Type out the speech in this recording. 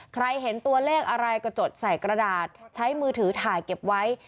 เห็นตัวเลขอะไรก็จดใส่กระดาษใช้มือถือถ่ายเก็บไว้